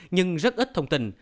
nhưng rất ít thông tin